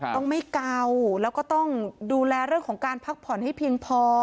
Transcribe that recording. ต้องไม่เกาแล้วก็ต้องดูแลเรื่องของการพักผ่อนให้เพียงพอ